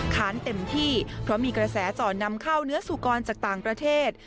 ค้านเต็มที่เพราะมีกระแสต่อนำเข้าเนื้อสุกรจากต่างประเทศ